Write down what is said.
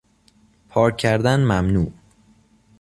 پارک کردن ممنوع